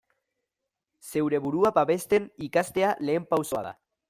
Zeure burua babesten ikastea lehen pausoa da.